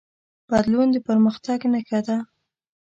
بدلون د پرمختګ نښه ده.